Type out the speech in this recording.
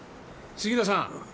杉浦さん。